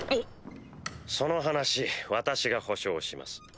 その話私が保証します。